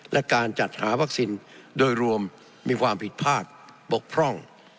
และการจัดหาวัคซีนโดยรวมมีความผิดพลาดบกพร่อง